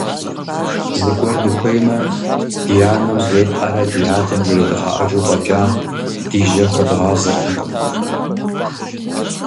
Зыгуэр дыхуеймэ, ди анэм жетӀэрэ ди адэм жредгъэӀэжу фӀэкӀа ди жьэ хуэдгъазэртэкъым.